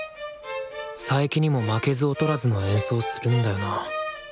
佐伯にも負けず劣らずの演奏するんだよな。